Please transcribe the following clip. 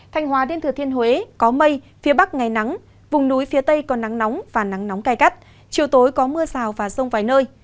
thanh hóa đến thừa thiên huế có mây phía bắc ngày nắng vùng núi phía tây có nắng nóng và nắng nóng gai gắt chiều tối có mưa rào và rông vài nơi